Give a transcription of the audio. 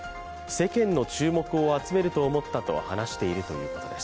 世間の注目を集めると思ったと話しているということです。